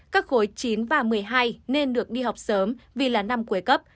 các khối chín và một mươi hai nên được đi học sớm vì là năm cuối cấp